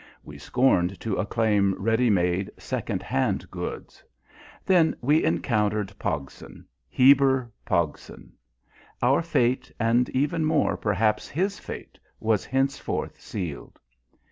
We scorned to acclaim ready made, second hand goods. Then we encountered Pogson Heber Pogson. Our fate, and even more, perhaps, his fate, was henceforth sealed.